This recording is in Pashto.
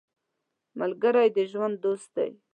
ملګری د ژوند دوست دی